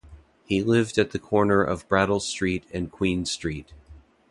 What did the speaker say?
He lived at the corner of Brattle Street and Queen-Street.